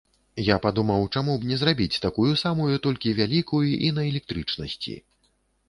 Я падумаў, чаму б не зрабіць такую самую толькі вялікую і на электрычнасці?